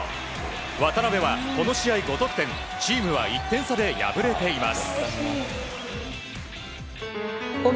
渡邊はこの試合５得点チームは１点差で敗れています。